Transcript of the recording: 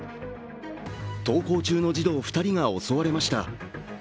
登校中の児童２人が襲われました。